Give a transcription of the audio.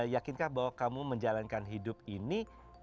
yakinkah bahwa kamu menjalankan hidup ini